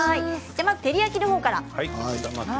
では照り焼きのほうから。